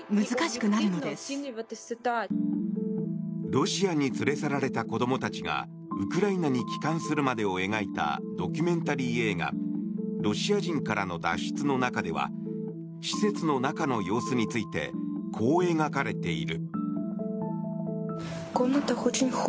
ロシアに連れ去られた子供たちがウクライナに帰還するまでを描いたドキュメンタリー映画「ロシア人からの脱出」の中では施設の中の様子についてこう描かれている。